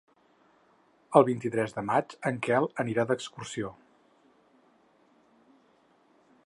El vint-i-tres de maig en Quel anirà d'excursió.